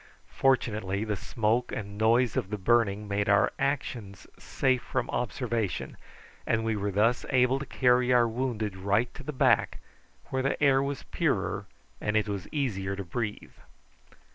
Fortunately the smoke and noise of the burning made our actions safe from observation, and we were thus able to carry our wounded right to the back, where the air was purer and it was easier to breathe.